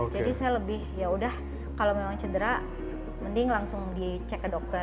jadi saya lebih ya sudah kalau memang cedera mending langsung di cek ke dokter